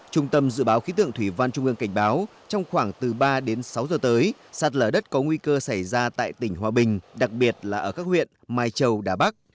trung tâm dự báo khí tượng thủy văn trung ương cảnh báo trong khoảng từ ba đến sáu giờ tới sạt lở đất có nguy cơ xảy ra tại tỉnh hòa bình đặc biệt là ở các huyện mai châu đà bắc